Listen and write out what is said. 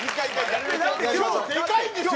今日でかいんですよ